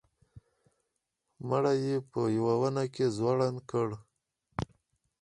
مړی یې په یوه ونه کې ځوړند کړ.